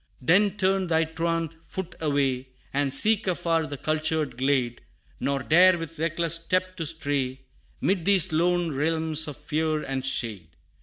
Then turn thy truant foot away, And seek afar the cultured glade, Nor dare with reckless step to stray, 'Mid these lone realms of fear and shade!